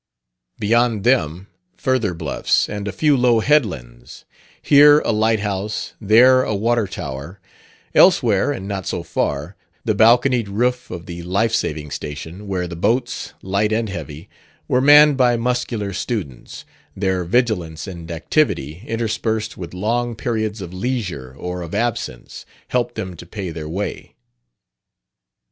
Beyond them, further bluffs and a few low headlands; here a lighthouse, there a water tower; elsewhere (and not so far) the balconied roof of the life saving station, where the boats, light and heavy, were manned by muscular students: their vigilance and activity, interspersed with long periods of leisure or of absence, helped them to "pay their way."